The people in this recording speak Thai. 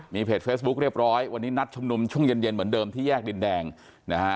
มีเพจเฟซบุ๊คเรียบร้อยวันนี้นัดชุมนุมช่วงเย็นเย็นเหมือนเดิมที่แยกดินแดงนะฮะ